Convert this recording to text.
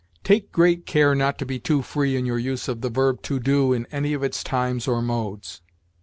"Take great care not to be too free in your use of the verb to do in any of its times or modes.